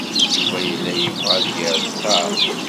Yuba yella yebɣa ad d-yerr ttaṛ.